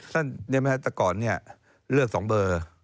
แต่ก่อนเลือกสองเบอร์